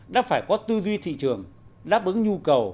đã phải có tư duy thị trường đáp ứng nhu cầu